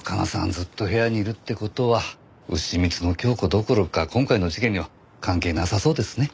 ずっと部屋にいるって事はうしみつのキョウコどころか今回の事件には関係なさそうですね。